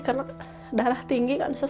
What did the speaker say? karena darah tinggi kan sesek napas